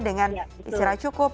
dengan istirahat cukup